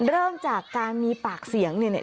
เริ่มจากการมีปากเสียงเนี่ย